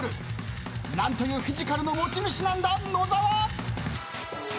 何というフィジカルの持ち主なんだ野澤！